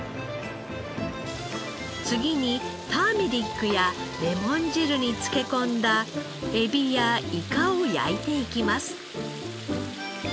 次にターメリックやレモン汁に漬け込んだエビやイカを焼いていきます。